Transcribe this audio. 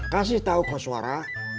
kasih tahu kos suara